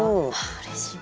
うれしい。